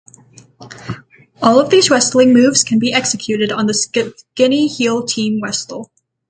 All of these wrestling moves can be executed on the skinny Heel Team wrestler.